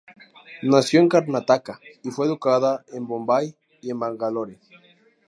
Nació en Karnataka y fue educada en Bombay y en Bangalore.